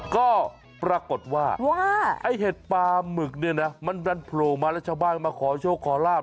ก็ปรากฏว่าไอ้เห็ดปลาหมึกเนี่ยนะมันดันโผล่มาแล้วชาวบ้านมาขอโชคขอลาบ